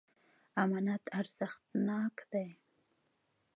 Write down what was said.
امانت ارزښتناک دی.